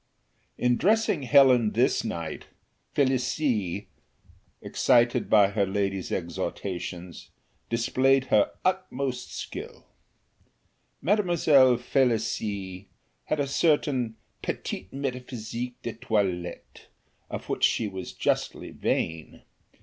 In dressing Helen this night, Felicie, excited by her lady's exhortations, displayed her utmost skill. Mademoiselle Felicie had a certain petite métaphysique de toilette, of which she was justly vain.